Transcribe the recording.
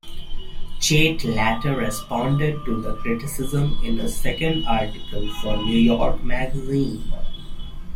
Chait later responded to the criticisms in a second article for "New York Magazine".